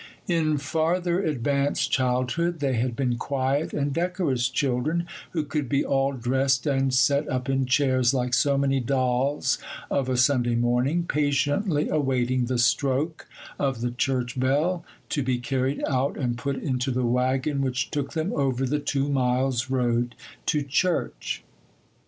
In farther advanced childhood, they had been quiet and decorous children, who could be all dressed and set up in chairs, like so many dolls, of a Sunday morning, patiently awaiting the stroke of the church bell to be carried out and put into the waggon which took them over the two miles' road to church.